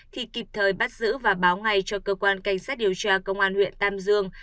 thì kịp thời bắt giữ và báo ngay cho cơ quan cảnh sát điều tra công an huyện tam dương